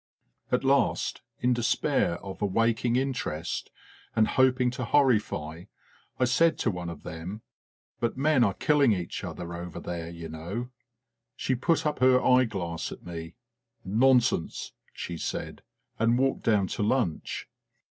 At last, in despair of awaking interest, and hoping to horrify, I said to one of them: " But men are kill ing each other over there, you know !" She put up her eyeglass at me. "Nonsense!" she said, and walked down to lunch.